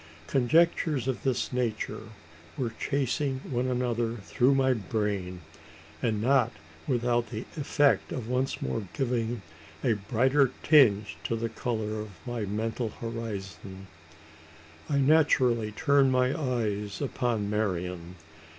Conjectures of this nature were chasing one another through my brain; and not without the effect of once more giving a brighter tinge to the colour of my mental horizon. I naturally turned my eyes upon Marian.